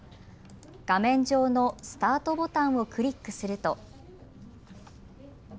画面上のスタートボタンをクリックすると。